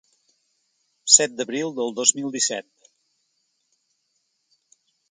Set d’abril del dos mil disset.